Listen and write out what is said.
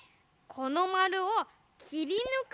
このまるをきりぬく？